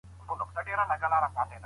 د سکولاستيک ښوونه مشهوره وه.